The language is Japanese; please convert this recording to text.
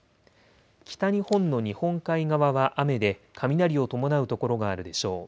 北日本の日本海側は雨で雷を伴う所があるでしょう。